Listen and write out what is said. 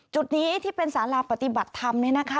จุดนี้ที่เป็นสาราปฏิบัติธรรมเนี่ยนะคะ